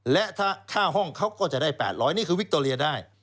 และถ้าค่าห้องเขาก็จะได้๘๐๐นี่คือวิคโตเรียได้